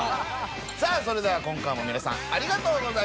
それでは今回も皆さんありがとうございました。